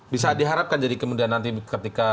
bisa diharapkan jadi kemudian nanti ketika